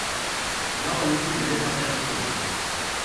Lau adituk ere parte hartuko dute.